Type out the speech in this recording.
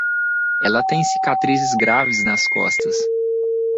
Ela tem cicatrizes graves nas costas